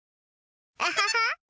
アハハ！